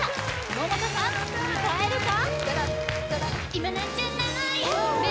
百田さん歌えるか？